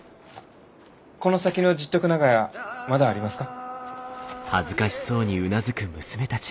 この先の十徳長屋まだありますか？